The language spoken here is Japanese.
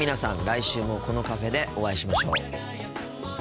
来週もこのカフェでお会いしましょう。